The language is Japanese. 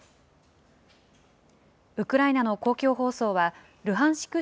ウクライナの公共放送は、ルハンシク